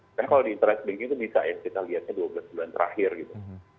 karena kalau di interest banking itu bisa ya kita lihatnya dua belas bulan terakhir gitu